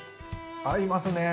合いますねぇ。